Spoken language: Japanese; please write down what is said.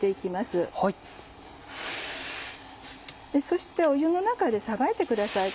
そして湯の中でさばいてください